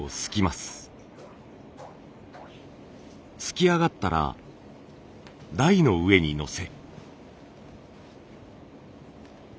すき上がったら台の上にのせ。